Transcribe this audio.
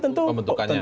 itu untuk pembentukannya